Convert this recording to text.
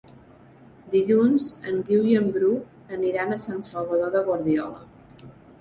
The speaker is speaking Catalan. Dilluns en Guiu i en Bru aniran a Sant Salvador de Guardiola.